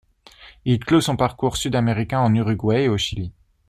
Il clôt son parcours sud-américain en Uruguay et au Chili.